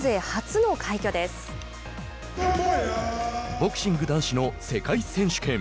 ボクシング男子の世界選手権。